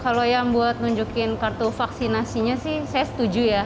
kalau yang buat nunjukin kartu vaksinasinya sih saya setuju ya